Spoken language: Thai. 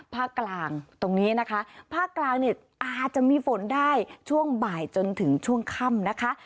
ภาคกลางตรงนี้นะคะภาคกลางเนี่ยอาจจะมีฝนได้ช่วงบ่ายจนถึงช่วงค่ำนะคะ